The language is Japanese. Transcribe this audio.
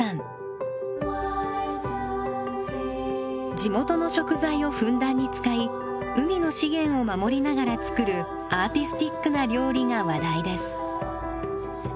地元の食材をふんだんに使い海の資源を守りながら作るアーティスティックな料理が話題です。